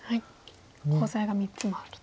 コウ材が３つもあると。